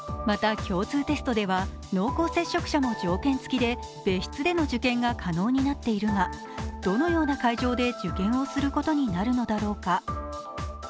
また共通テストでは濃厚接触者も条件付きで別室での受験が可能になっているが、どのような会場で受験をすることになるのだろうか。